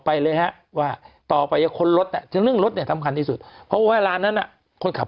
ไปเลยนะว่าต่อไปคนรถรถทำการที่สุดเพราะว่าเรานั้นคนขับ